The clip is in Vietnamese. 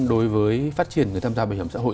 đối với phát triển người tham gia bảo hiểm xã hội